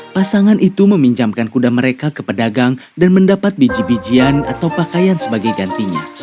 pasangan itu meminjamkan kuda mereka ke pedagang dan mendapat biji bijian atau pakaian sebagai gantinya